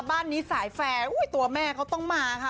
บ้านนี้สายแฟร์ตัวแม่เขาต้องมาค่ะ